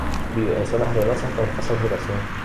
Vive en zonas arenosas con escasa vegetación.